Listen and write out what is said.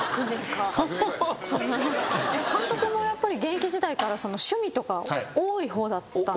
監督もやっぱり現役時代から趣味とか多い方だったんですか？